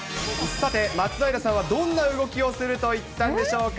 さて、松平さんはどんな動きをすると言ったんでしょうか。